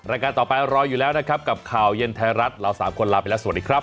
รายการต่อไปรออยู่แล้วนะครับกับข่าวเย็นไทยรัฐเราสามคนลาไปแล้วสวัสดีครับ